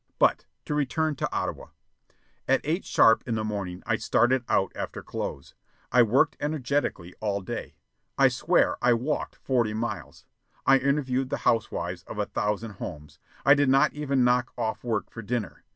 But to return to Ottawa. At eight sharp in the morning I started out after clothes. I worked energetically all day. I swear I walked forty miles. I interviewed the housewives of a thousand homes. I did not even knock off work for dinner.